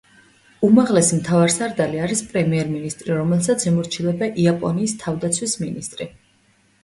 უმაღლესი მთავარსარდალი არის პრემიერ-მინისტრი, რომელსაც ემორჩილება იაპონიის თავდაცვის მინისტრი.